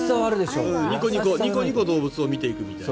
ニコニコ動物を見ていくみたいな。